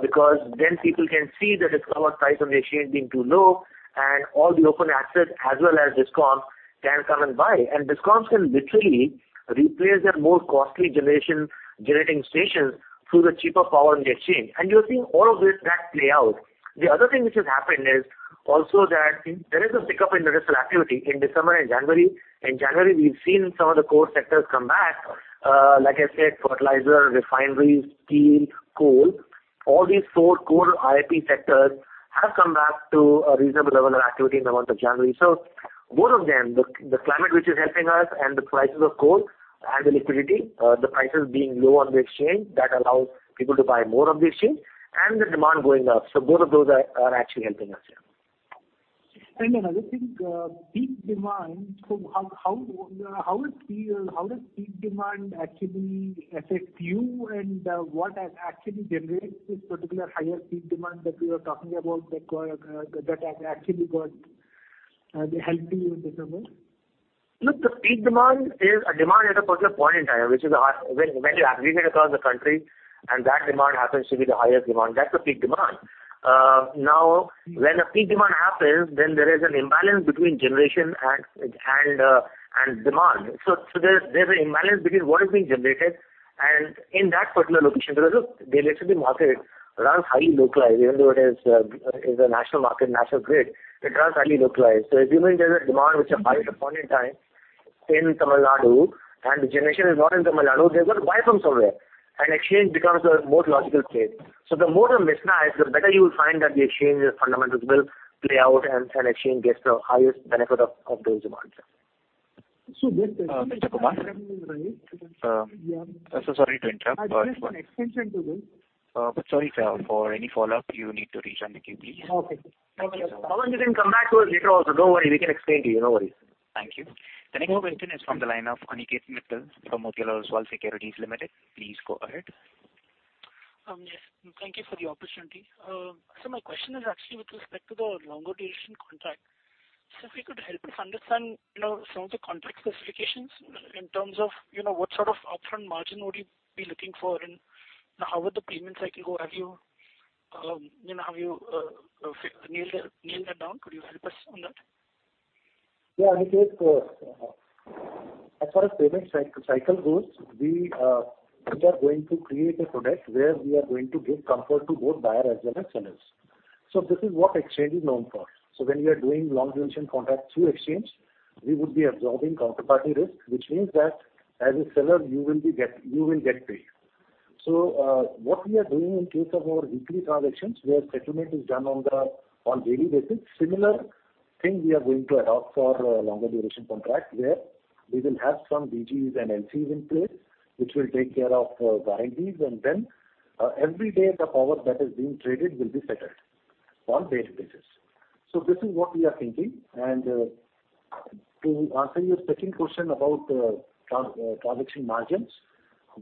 Because then people can see the discovered price on the exchange being too low and all the open access as well as DISCOM can come and buy. DISCOMs can literally replace their more costly generating stations through the cheaper power on the exchange. You are seeing all of that play out. The other thing which has happened is also that there is a pickup in industrial activity in December and January. In January, we've seen some of the core sectors come back. Like I said, fertilizer, refineries, steel, coal. All these four core IIP sectors have come back to a reasonable level of activity in the month of January. Both of them, the climate which is helping us and the prices of coal and the liquidity, the prices being low on the exchange, that allows people to buy more on the exchange and the demand going up. Both of those are actually helping us, yeah. Another thing, peak demand. How does peak demand actually affect you? What has actually generated this particular higher peak demand that you are talking about that has actually helped you in December? Look, the peak demand is a demand at a particular point in time, when you aggregate across the country and that demand happens to be the highest demand, that's the peak demand. Now, when a peak demand happens, then there is an imbalance between generation and demand. There's an imbalance between what is being generated and in that particular location. Look, the electricity market runs highly localized. Even though it is a national market, national grid, it runs highly localized. If you maintain the demand which is highest upon in time in Tamil Nadu and the generation is not in Tamil Nadu, they're going to buy from somewhere. Exchange becomes a more logical place. The more the mismatch, the better you will find that the exchange fundamentals will play out and exchange gets the highest benefit of those demands. This. Mr. Kumar? sorry to interrupt, but- I just want extension to this. Sorry for any follow-up you need to reach on the queue, please. Okay. Pawan, you can come back to us later also. Don't worry, we can explain to you. No worries. Thank you. The next question is from the line of Aniket Mittal from Motilal Oswal Securities Limited. Please go ahead. Yes. Thank you for the opportunity. Sir, my question is actually with respect to the longer duration contract. If you could help us understand some of the contract specifications in terms of what sort of upfront margin would you be looking for and how would the payment cycle go? Have you nailed that down? Could you help us on that? Yeah, Aniket, as far as payment cycle goes, we are going to create a product where we are going to give comfort to both buyer as well as sellers. This is what Exchange is known for. When we are doing long duration contract through Exchange, we would be absorbing counterparty risk, which means that as a seller, you will get paid. What we are doing in case of our weekly transactions, where settlement is done on daily basis, similar thing we are going to adopt for longer duration contract, where we will have some BGs and LCs in place, which will take care of liabilities, every day, the power that is being traded will be settled on daily basis. This is what we are thinking. To answer your second question about transaction margins,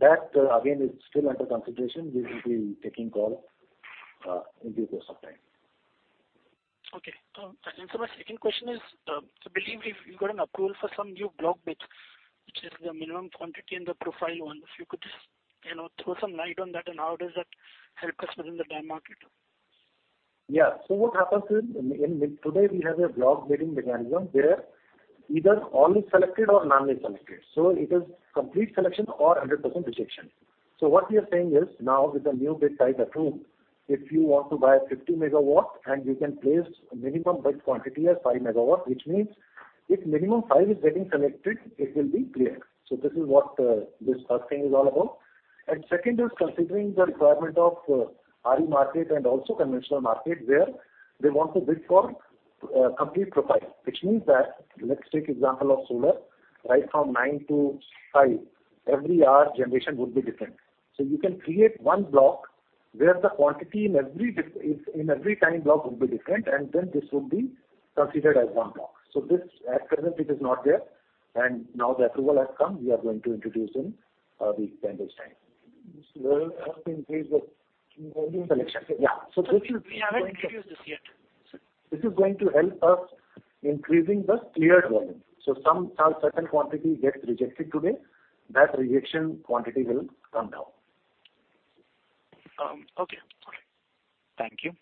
that again is still under consideration. We will be taking call in due course of time. Okay. Sir, my second question is, so believe you got an approval for some new block bids, which is the minimum quantity in the profile one. If you could just throw some light on that and how does that help customers in the direct market? Yeah. What happens is, today we have a block bidding mechanism where either all is selected or none is selected. It is complete selection or 100% rejection. What we are saying is, now with the new bid size approved, if you want to buy a 50 MW and you can place minimum bid quantity as 5 MW, which means if minimum 5 MW is getting selected, it will be cleared. This is what this first thing is all about. Second is considering the requirement of RE market and also conventional market, where they want to bid for complete profile. Which means that, let's take example of solar. Right from nine-five, every hour generation would be different. You can create one block where the quantity in every time block would be different, and then this would be considered as one block. This at present it is not there, and now the approval has come. We are going to introduce in the pending time. This will help increase the volume selection. Yeah. We haven't introduced this yet. This is going to help us increasing the cleared volume. Some certain quantity gets rejected today, that rejection quantity will come down. Okay. Got it. Thank you.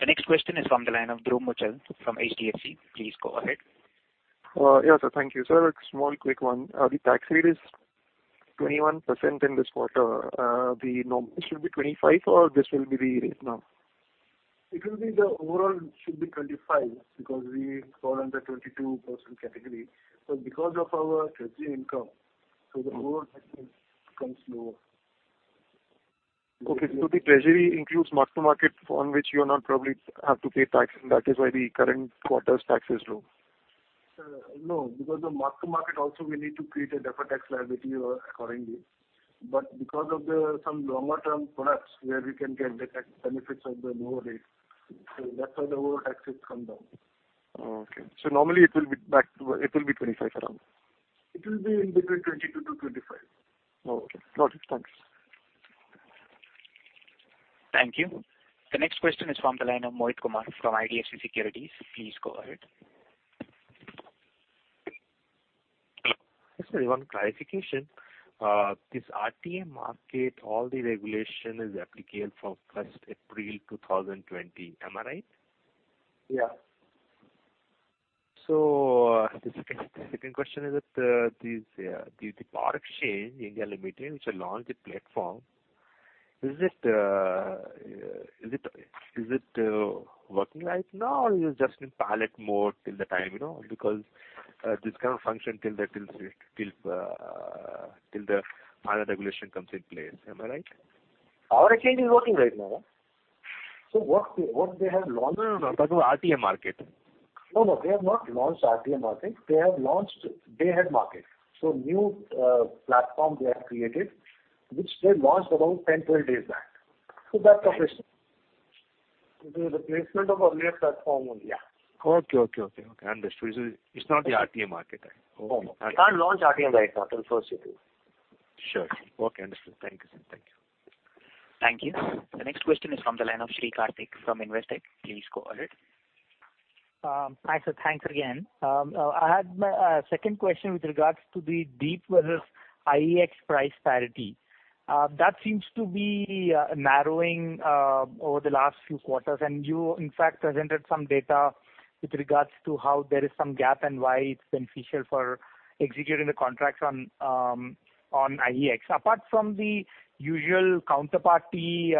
The next question is from the line of Dhruv Muchhal from HDFC. Please go ahead. Yes, sir. Thank you. Sir, a small quick one. The tax rate is 21% in this quarter. The normal should be 25% or this will be the rate now? It will be the overall should be 25 because we fall under 22% category. Because of our treasury income, so the overall tax comes lower. Okay. The treasury includes mark-to-market on which you are not probably have to pay tax, and that is why the current quarter's tax is low. Sir, no. The mark-to-market also we need to create a defer tax liability accordingly. Because of some longer term products where we can get the tax benefits of the lower rate, so that's why the overall taxes come down. Oh, okay. Normally it will be 25 around. It will be in between 22-25. Oh, okay. Got it. Thanks. Thank you. The next question is from the line of Mohit Kumar from IDFC Securities. Please go ahead. Yes sir, one clarification. This RTM market, all the regulation is applicable from April 1st, 2020. Am I right? Yeah. The second question is that, the Power Exchange India Limited which have launched a platform, is it working right now or it is just in pilot mode till the time? Because this can't function till the final regulation comes in place. Am I right? Power exchange is working right now. What they have launched. No. I talk about RTM market. No. They have not launched RTM market. They have launched day ahead market. New platform they have created, which they launched around 10, 12 days back. That's operational. It is replacement of earlier platform. Yeah. Okay. Understood. It's not the RTM market. Okay. No. You can't launch RTM right now till April 1st. Sure. Okay, understood. Thank you, sir. Thank you. The next question is from the line of Sri Karthik from Investec. Please go ahead. Hi, sir. Thanks again. I had my second question with regards to the DEEP versus IEX price parity. That seems to be narrowing over the last few quarters, and you in fact presented some data with regards to how there is some gap and why it's beneficial for executing the contracts on IEX. Apart from the usual counterparty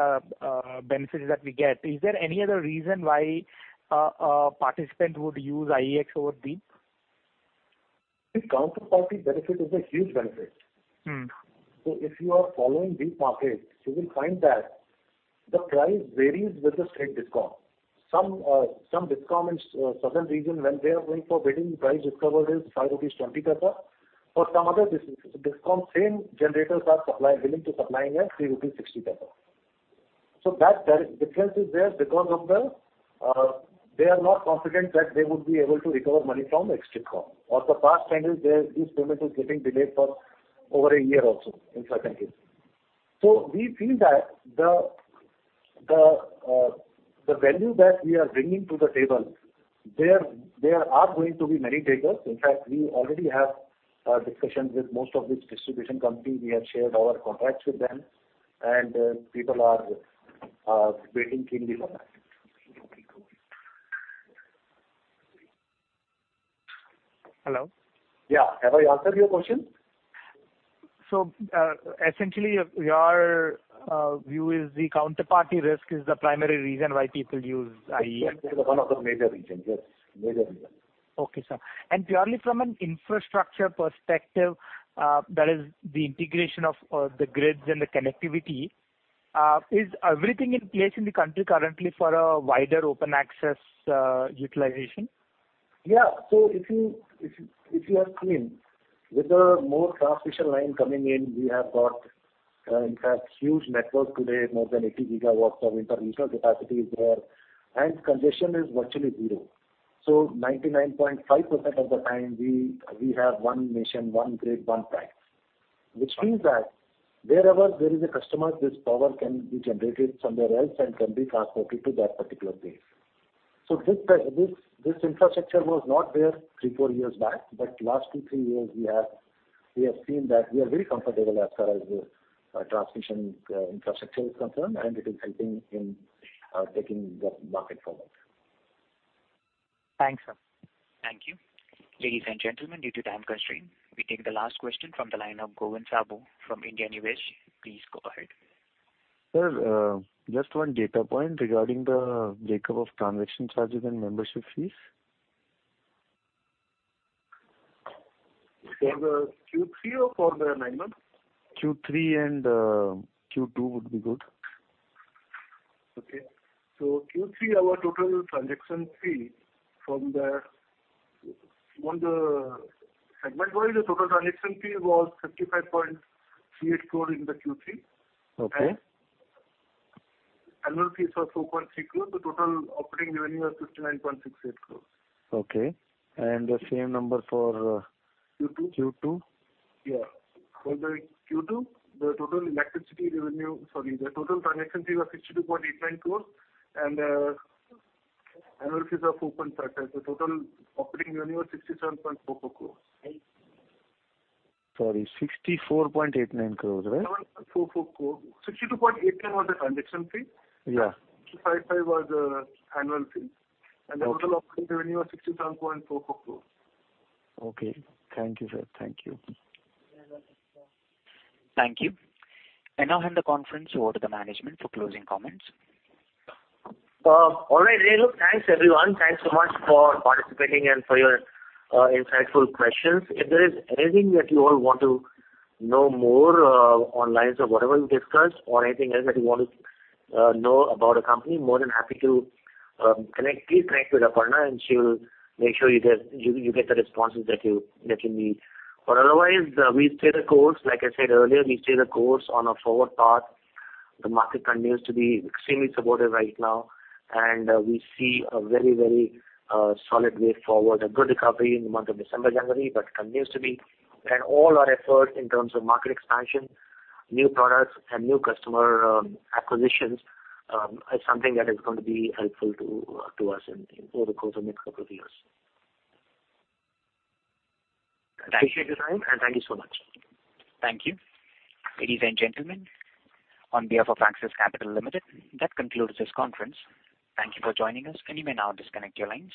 benefits that we get, is there any other reason why a participant would use IEX over DEEP? The counterparty benefit is a huge benefit. If you are following DEEP market, you will find that the price varies with the state DISCOM. Some DISCOM in southern region, when they are going for bidding, the price discovered is 25.20 rupees. For some other DISCOM, same generators are willing to supply at 3.60 rupees. That difference is there because they are not confident that they would be able to recover money from the DISCOM. Of the past trend is there, this payment is getting delayed for over a year also in certain case. We feel that the value that we are bringing to the table, there are going to be many takers. In fact, we already have discussions with most of these distribution company. We have shared our contracts with them, and people are waiting keenly for that. Hello. Yeah. Have I answered your question? Essentially, your view is the counterparty risk is the primary reason why people use IEX? That is one of the major reasons, yes. Major reason. Okay, sir. Purely from an infrastructure perspective, that is the integration of the grids and the connectivity, is everything in place in the country currently for a wider open access utilization? If you have seen, with the more transmission line coming in, we have got, in fact, huge network today, more than 80 GW of inter-regional capacity is there, and congestion is virtually zero. 99.5% of the time, we have one nation, one grid, one price. Which means that wherever there is a customer, this power can be generated somewhere else and can be transported to that particular place. This infrastructure was not there three, four years back, but last two, three years we have seen that we are very comfortable as far as the transmission infrastructure is concerned, and it is helping in taking the market forward. Thanks, sir. Thank you. Ladies and gentlemen, due to time constraint, we take the last question from the line of Govind Saboo from India News. Please go ahead. Sir, just one data point regarding the breakup of transaction charges and membership fees. For the Q3 or for the nine months? Q3 and Q2 would be good. Okay. Q3, segment-wise, the total transaction fee was 55.38 crore in the Q3. Okay. Annual fees was 4.6 crore. The total operating revenue was 59.68 crore. Okay. The same number Q2? Q2. For the Q2, the total transaction fee was 62.89 crore and annual fees of INR 4.55 crore. Total operating revenue was 67.44 crore. Sorry, INR 64.89 crore, right? 4.4 crore. 62.89 crore was the transaction fee. 4.55 crore was the annual fee. Okay. The total operating revenue was 67.44 crore. Okay. Thank you, sir. Thank you. Thank you. I now hand the conference over to the management for closing comments. All right. Hey, look, thanks everyone. Thanks so much for participating and for your insightful questions. If there is anything that you all want to know more on lines of whatever we discussed or anything else that you want to know about the company, more than happy to connect. Please connect with Aparna, and she will make sure you get the responses that you need. Otherwise, we stay the course. Like I said earlier, we stay the course on our forward path. The market continues to be extremely supportive right now, and we see a very solid way forward. A good recovery in the month of December, January. All our efforts in terms of market expansion, new products, and new customer acquisitions is something that is going to be helpful to us over the course of next couple of years. Appreciate your time, and thank you so much. Thank you. Ladies and gentlemen, on behalf of Axis Capital Limited, that concludes this conference. Thank you for joining us, and you may now disconnect your lines.